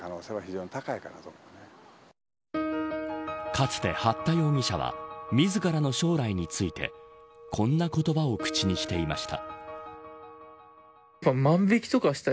かつて、八田容疑者は自らの将来についてこんな言葉を口にしていました。